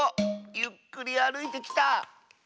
ゆっくりあるいてきた！